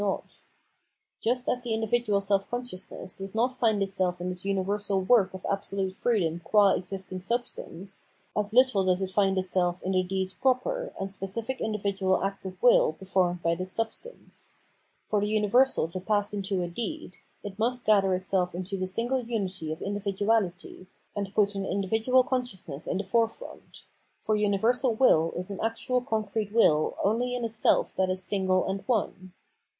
Tlie essential principle of anarchy. 598 Phenomemlogy of Mind Just as the individual self consciousness does not find itself in this universal work of absolute freedom qua existing substance, as little does it find itself in the deeds proper and specific individual acts of will performed by this substance. For the universal to pass into a deed, it must gather itself into the single unity of individuality, and put an individual consciousness in the forefront ; for universal will is an actual concrete will only in a self that is single and one.